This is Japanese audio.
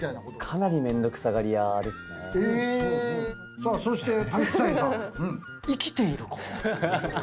さあそして竹財さん「生きていること」